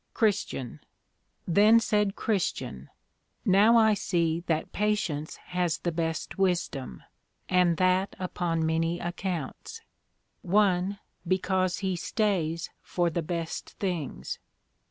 CHR. Then said Christian, Now I see that Patience has the best wisdom, and that upon many accounts. 1. Because he stays for the best things.